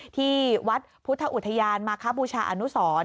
ที่วัดพุทธอุทยานมาคบูชาอนุสร